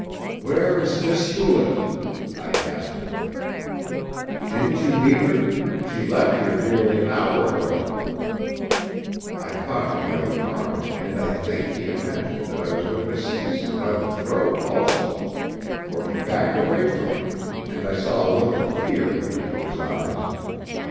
"Where as Miss Hewlett?" I gasped. "Didn't you meet her? She left here nearly an hour ago." I caught him by the arm, and I think he imagined that I was going to seize him by the throat also, for he backed away from me, and I saw a look of fear come into his eyes.